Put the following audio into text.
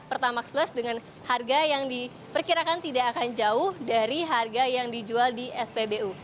pertamax plus dengan harga yang diperkirakan tidak akan jauh dari harga yang dijual di spbu